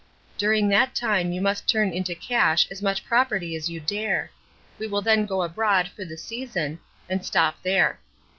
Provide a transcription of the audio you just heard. During that time you must turn into cash as much property as you dare. We will then go abroad for the 'season' and stop there.